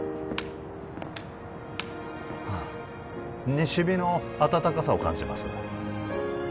西日の暖かさを感じます